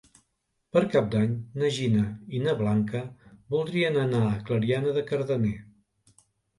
Per Cap d'Any na Gina i na Blanca voldrien anar a Clariana de Cardener.